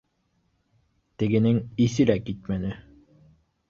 Тегенең иҫе лә китмәне: